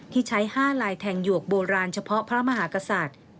ที่ใช้๕ลายแทงหยวกโบราณเฉพาะพระมหากษัตริย์